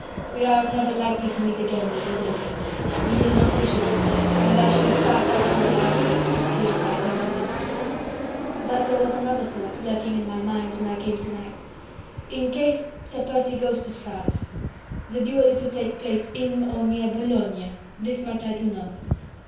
We are never likely to meet again, Lady Blakeney... you will not wish it, and I shall have passed out of your life as swiftly as I had entered into it.... But there was another thought lurking in my mind when I came to night.... In case Sir Percy goes to France... the duel is to take place in or near Boulogne... this much I do know...